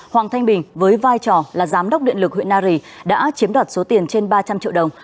hoàng thanh bình với vai trò là giám đốc điện lực huyện nari đã chiếm đoạt số tiền trên ba trăm linh triệu đồng